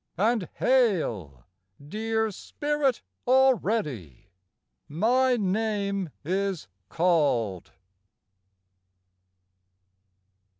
and Hail, Dear spirit already!... My name is called.